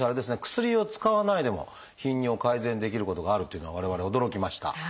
薬を使わないでも頻尿を改善できることがあるというのは我々驚きました。